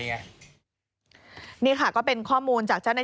นี่ค่ะคุณผู้ชมพอเราคุยกับเพื่อนบ้านเสร็จแล้วนะน้า